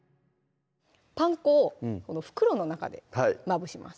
パン粉を袋の中でまぶします